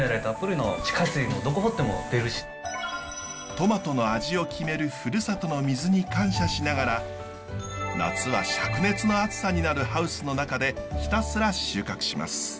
トマトの味を決める故郷の水に感謝しながら夏はしゃく熱の暑さになるハウスの中でひたすら収穫します。